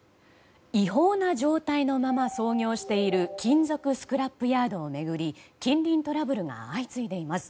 違法な状態のまま操業している金属スクラップヤードを巡り近隣トラブルが相次いでいます。